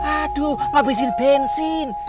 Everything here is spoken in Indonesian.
aduh ngabisin bensin